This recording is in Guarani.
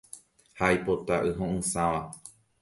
Ha aipota y ho’ysãva.